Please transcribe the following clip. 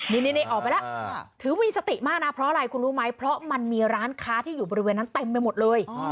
นี่ออกไปแล้วถือมีสติมากนะเพราะอะไรคุณรู้ไหมเพราะมันมีร้านค้าที่อยู่บริเวณนั้นเต็มไปหมดเลย